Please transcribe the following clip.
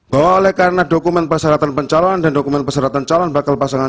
bahwa oleh karena dokumen persyaratan pencalonan dan dokumen persyaratan calon bakal pasangan